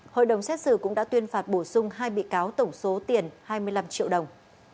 hội đồng xét xử cũng đã tuyên phạt bổ sung hai bị cáo tổng số tiền hai mươi năm triệu đồng